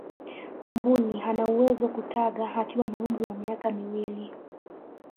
mbuni anawezo kutaga akiwa na umri wa miaka miwili